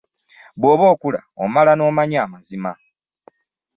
Bw'okula omala n'omanya amazima.